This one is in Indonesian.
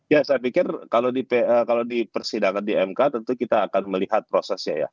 ya saya pikir kalau di persidangan di mk tentu kita akan melihat prosesnya ya